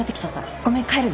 ごめん帰るね。